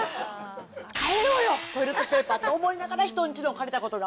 変えろよ、トイレットペーパーって思いながら、人んちの借りたことが。